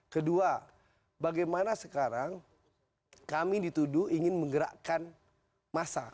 kedua bagaimana sekarang kami dituduh ingin menggerakkan massa